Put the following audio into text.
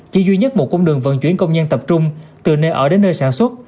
chỉ duy nhất một cung đường vận chuyển công nhân tập trung từ nơi ở đến nơi sản xuất